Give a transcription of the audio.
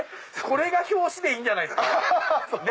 これが表紙でいいんじゃないですか